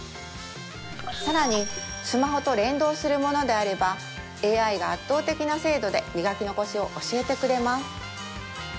さらにスマホと連動するものであればＡＩが圧倒的な精度で磨き残しを教えてくれます